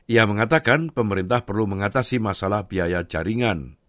ia mengatakan pemerintah perlu mengatasi masalah biaya jaringan